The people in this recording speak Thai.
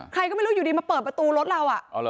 ใครก็ไม่รู้อยู่ดีมาเปิดประตูรถเรา